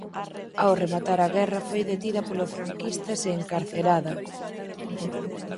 Ao rematar a guerra foi detida polos franquistas e encarcerada.